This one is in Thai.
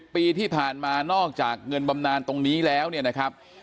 ปีที่ผ่านมานอกจากเงินบำนานตรงนี้แล้วเนี่ยนะครับ